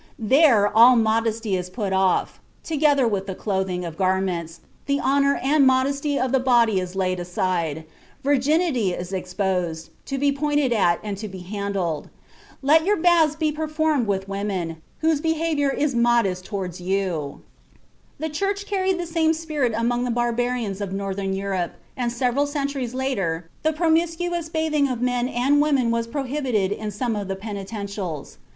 There all modesty is put off; together with the clothing of garments, the honor and modesty of the body is laid aside, virginity is exposed, to be pointed at and to be handled.... Let your baths be performed with women, whose behavior is modest towards you." (Cyprian, De Habitu Virginum, cap. 19, 21.) The Church carried the same spirit among the barbarians of northern Europe, and several centuries later the promiscuous bathing of men and women was prohibited in some of the Penitentials.